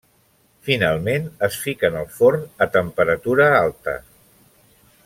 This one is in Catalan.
Finalment, es fiquen al forn a temperatura alta.